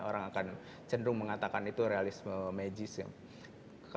orang akan cenderung mengatakan itu realisme magic